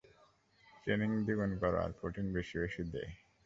Training দ্বিগুণ কর আর প্রোটিন বেশি বেশি দে।